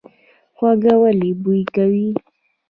هوږه ولې بوی کوي؟